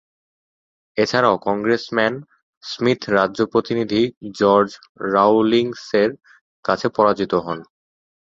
এছাড়াও, congressman Smith রাজ্য প্রতিনিধি জর্জ রাউলিংসের কাছে পরাজিত হন।